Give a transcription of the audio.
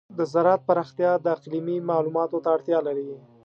د زراعت پراختیا د اقلیمي معلوماتو ته اړتیا لري.